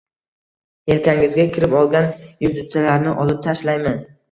Yelkangizga kirib olgan yulduzchalarni olib tashlaymi